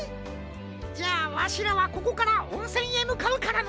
じゃあわしらはここからおんせんへむかうからのう。